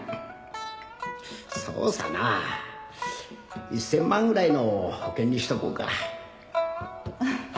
そうさな１０００万ぐらいの保険にしとこうか。